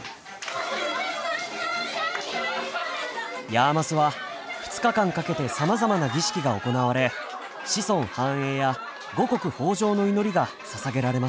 ヤーマスは２日間かけてさまざまな儀式が行われ子孫繁栄や五穀豊穣の祈りがささげられます。